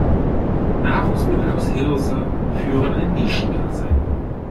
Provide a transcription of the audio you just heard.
Nahrungsmittel aus Hirse führen ein Nischendasein.